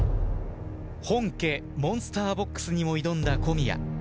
本家モンスターボックスにも挑んだ小宮。